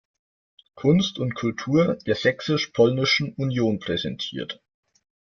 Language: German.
Kunst und Kultur der sächsisch-polnischen Union" präsentiert.